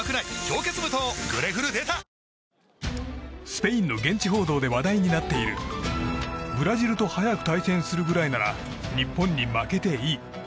スペインの現地報道で話題になっているブラジルと早く対戦するぐらいなら日本に負けていい。